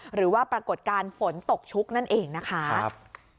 หรือว่าปรากฏการณ์ฝนตกชุกนั่นเองนะคะ